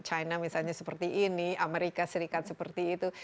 china misalnya seperti ini amerika serikat seperti itu